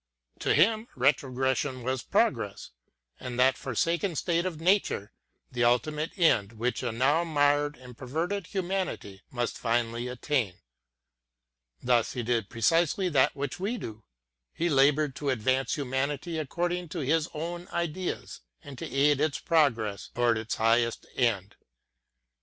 To him retrogression was progress, and that forsaken state of nature the ultimate end which a now marred and perverted humanity must finally attain. Thus he did precisely that which we do, — he laboured to advance humanity according to his own ideas, and to aid towards its highest end.